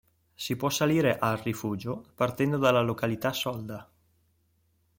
Si può salire al rifugio partendo dalla località Solda.